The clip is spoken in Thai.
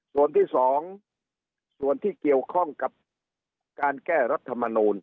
ส่วนที่๒ส่วนที่เกี่ยวข้องกับการแก้รัฐมนูล